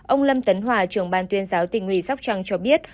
ông lâm tấn hòa trưởng ban tuyên giáo tỉnh ủy sóc trăng cho biết